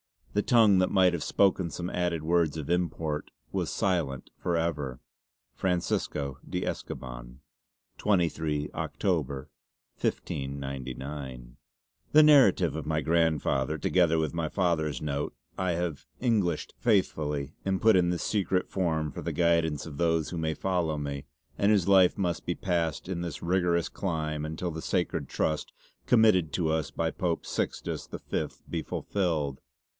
The tongue that might have spoken some added words of import was silent for ever "FRANCISCO DE ESCOBAN." "23, October, 1599." "The narrative of my grandfather, together with my father's note have I Englished faithfully and put in this secret form for the guidance of those who may follow me, and whose life must be passed in this rigorous clime untill the sacred Trust committed to us by Pope Sixtus the Fifth be fullfilled.